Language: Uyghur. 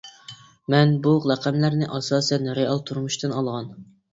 مەن بۇ لەقەملەرنى ئاساسەن رېئال تۇرمۇشتىن ئالغان.